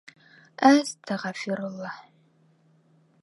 Әстәғәфирулла!